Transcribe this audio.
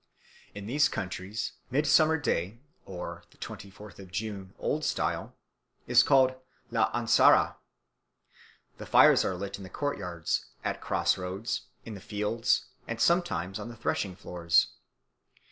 In these countries Midsummer Day (the twenty fourth of June, Old Style) is called l'ánsara. The fires are lit in the courtyards, at cross roads, in the fields, and sometimes on the threshing floors.